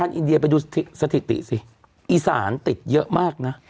อินเดียไปดูสถิติสิอีสานติดเยอะมากนะ